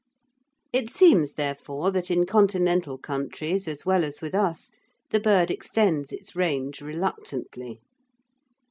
It seems therefore that in Continental countries, as well as with us, the bird extends its range reluctantly.